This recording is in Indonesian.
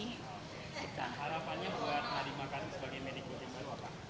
harapannya buat nadiem makarim sebagai menteri kemendikbud